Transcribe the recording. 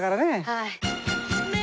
はい。